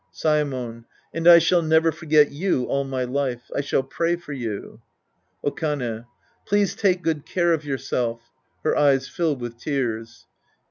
Saemon. And I shall never forget you all my life. I shall pray for you. Okane. Please take good care of yourself {Her eyes fill ivith tears.)